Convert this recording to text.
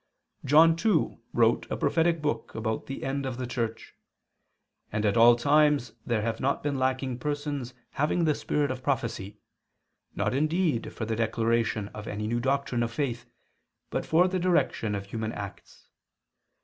John, too, wrote a prophetic book about the end of the Church; and at all times there have not been lacking persons having the spirit of prophecy, not indeed for the declaration of any new doctrine of faith, but for the direction of human acts.